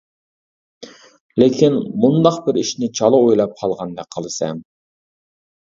لېكىن مۇنداق بىر ئىشنى چالا ئويلاپ قالغاندەك قىلىسەن.